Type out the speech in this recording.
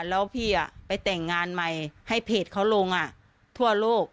แล้วพี่ไปแต่งงานใหม่ให้เพจเขาลงทั่วโลก